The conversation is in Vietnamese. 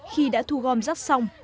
khi đã thu gom giác xong